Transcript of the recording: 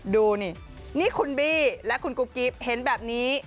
ดูนี่นี่คุณบี้และคุณกุ๊กกิ๊บเห็นแบบนี้